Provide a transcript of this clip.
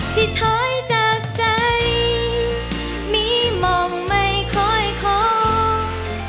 สุดท้ายจากใจมีมองไม่ค่อยคอย